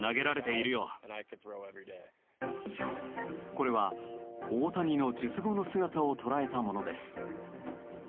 これは大谷の術後の姿を捉えたものです。